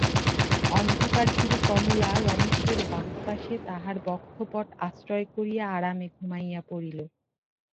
অন্ধকারভীরু কমলা রমেশের বাহুপাশে তাহার বক্ষপট আশ্রয় করিয়া আরামে ঘুমাইয়া পড়িল।